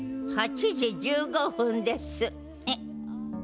８時１５分です。